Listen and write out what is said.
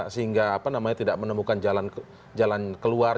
sehingga tidak menemukan jalan keluar